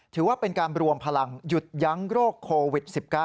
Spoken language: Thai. ถือว่าเป็นการรวมพลังหยุดยั้งโรคโควิด๑๙